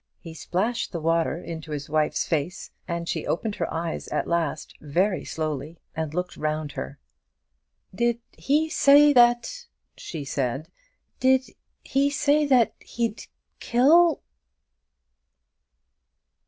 He splashed the water into his wife's face, and she opened her eyes at last, very slowly, and looked round her. "Did he say that " she said, "did he say that he'd kill